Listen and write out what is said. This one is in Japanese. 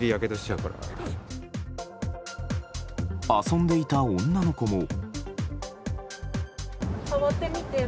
遊んでいた女の子も。